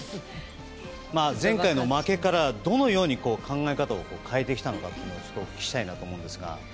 前回の負けからどのように考え方を変えてきたのかというのをお聞きしたいと思うんですが。